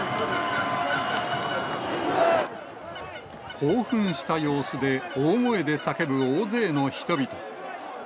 興奮した様子で、大声で叫ぶ大勢の人々。